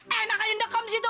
enak aja indekom di situ